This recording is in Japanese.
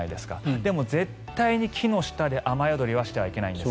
でも、絶対に木の下では雨宿りしてはいけないんです。